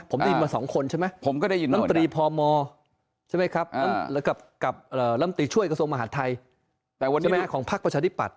ผมได้ยินมา๒คนใช่ไหมน้ำตีพมและน้ำตีช่วยกระทรวงมหาธัยของภักดิปัตย์